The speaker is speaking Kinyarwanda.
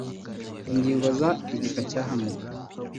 Ingingo za igika cya hamwe